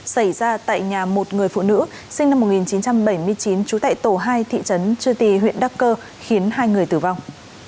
xảy ra tại nhà một người phụ nữ sinh năm một nghìn chín trăm bảy mươi chín trú tại tổ hai thị trấn chư tì huyện đắc cơ khiến hai người tử vong